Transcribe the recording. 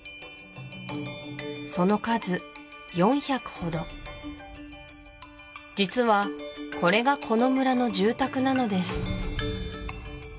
その数４００ほど実はこれがこの村の住宅なのです